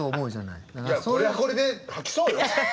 いやこれはこれで吐きそうよ？